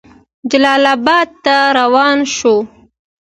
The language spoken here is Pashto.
جلال آباد ته روان شو.